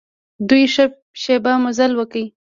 دوی ښه شېبه مزل وکړ.